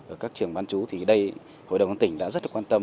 ở các trường văn chú thì đây hội đồng tỉnh đã rất quan tâm